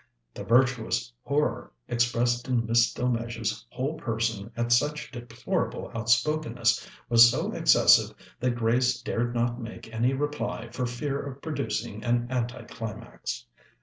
The virtuous horror expressed in Miss Delmege's whole person at such deplorable outspokenness was so excessive that Grace dared not make any reply for fear of producing an anti climax.